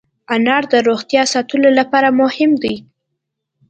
انار د روغتیا ساتلو لپاره مهم دی.